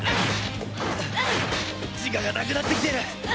自我がなくなってきてる。